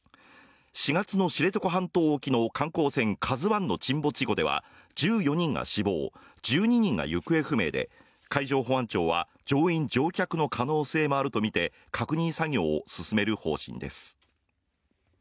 ４月の知床半島沖の観光船「ＫＡＺＵ１」の沈没事故では１４人が死亡１２人が行方不明で海上保安庁は乗員乗客の可能性もあると見て確認作業を進める方針です